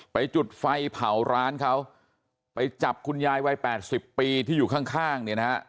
จุดไฟเผาร้านเขาไปจับคุณยายวัย๘๐ปีที่อยู่ข้างเนี่ยนะฮะ